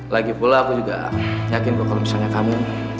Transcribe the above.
lagipula aku juga yakin kalau misalnya kamu